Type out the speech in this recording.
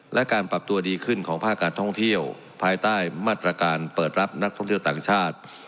และการปรับตัวดีขึ้นของภาคการท่องเที่ยวภายใต้มาตรการเปิดรับนักท่องเที่ยวต่างชาติ